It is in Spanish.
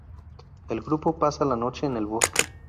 El grupo pasa la noche en el bosque.